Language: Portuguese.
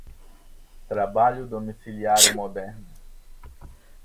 trabalho domiciliário moderno